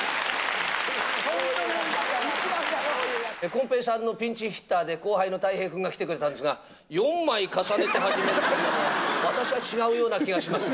こん平さんのピンチヒッターで後輩のたい平君が来てくれたんですが、４枚重ねて始めるというのは、私は違うような気がします。